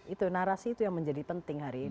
itu narasi itu yang menjadi penting hari ini